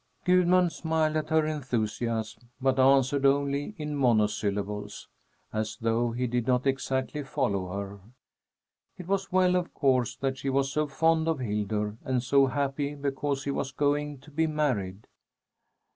Gudmund smiled at her enthusiasm, but answered only in monosyllables, as though he did not exactly follow her. It was well, of course, that she was so fond of Hildur, and so happy because he was going to be married.